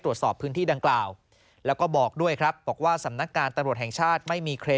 โปรดติดตามตอนต่อไป